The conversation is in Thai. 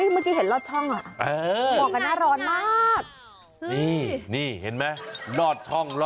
เมื่อกี้เห็นลอดช่อง